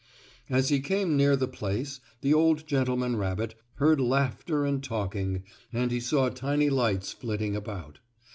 As he came near the place, the old gentleman rabbit heard laughter and talking, and he saw tiny lights flitting about.